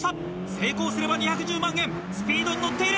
成功すれば２１０万円スピードにのっている。